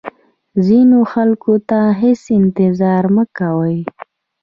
ځینو خلکو ته هیڅ انتظار مه کوئ.